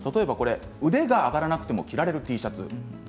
腕が上がらなくても着られるＴシャツです。